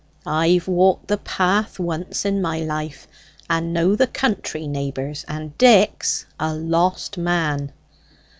I've walked the path once in my life and know the country, neighbours; and Dick's a lost man!"